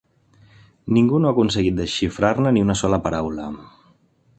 Ningú no ha aconseguit desxifrar-ne ni una sola paraula.